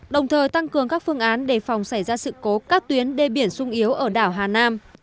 đồng thời tăng cường các phương án đề phòng xảy ra sự cố các tuyến đê biển sung yếu ở đảo hà nam